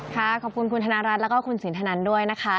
ค่ะขอบคุณคุณธนรัฐและคุณศีลธนันด้วยนะคะ